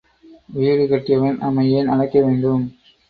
வீடு கட்டியவன் நம்மை ஏன் அழைக்க வேண்டும்?